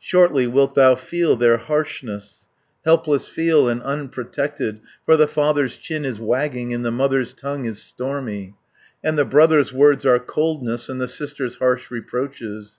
"Shortly wilt thou feel their harshness, Helpless feel, and unprotected, 240 For the father's chin is wagging, And the mother's tongue is stormy; And the brother's words are coldness, And the sister's harsh reproaches.